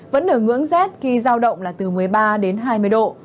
vẫn ở ngưỡng rét khi giao động là từ một mươi ba đến hai mươi độ